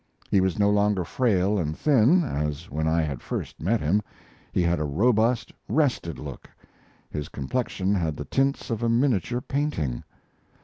He was no longer frail and thin, as when I had first met him. He had a robust, rested look; his complexion had the tints of a miniature painting.